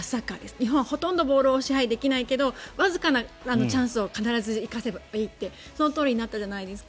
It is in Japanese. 日本はほとんどボールを支配できないけどわずかなチャンスを必ず生かせばいいってそのとおりになったじゃないですか。